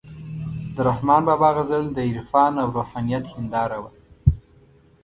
د رحمان بابا غزل د عرفان او روحانیت هنداره وه،